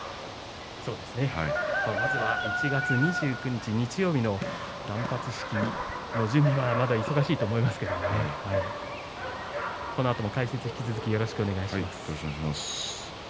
まずは１月２９日日曜日の断髪式の準備はまだ忙しいと思いますけどもこのあとの解説もよろしくお願いします。